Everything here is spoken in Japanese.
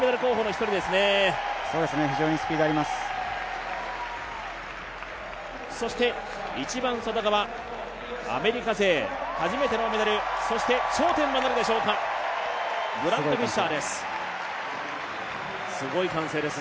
一番外側、アメリカ勢、初めてのメダル、そして頂点となるでしょうか、グラント・フィッシャーです。